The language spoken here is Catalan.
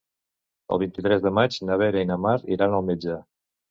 El vint-i-tres de maig na Vera i na Mar iran al metge.